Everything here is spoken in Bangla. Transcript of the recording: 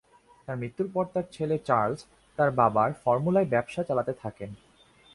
তার মৃত্যুর পর তার ছেলে চার্লস তার বাবার ফর্মুলায় ব্যবসা চালাতে থাকেন।